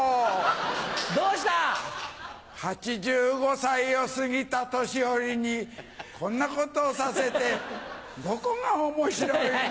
どうした⁉８５歳を過ぎた年寄りにこんなことをさせてどこが面白いんだ？